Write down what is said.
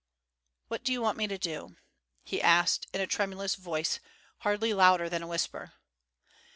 "What do you want me to do?" he asked, in a tremulous voice, hardly louder than a whisper.